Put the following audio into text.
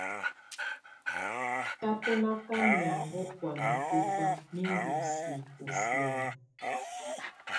Tabɔnaka mɛaŋɔ́ buana tɔfá mi ndú si ɔ sianə.